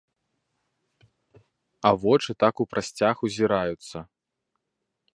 А вочы так у прасцяг узіраюцца.